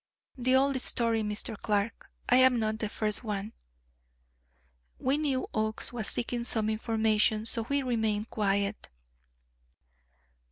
The old story, Mr. Clark; I am not the first one!" We knew Oakes was seeking some information, so we remained quiet.